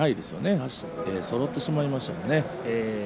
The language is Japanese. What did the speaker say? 足がそろってしまいましたね。